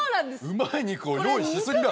うまい肉を用意しすぎだ。